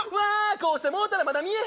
こうしてもうたらまだ見えへん！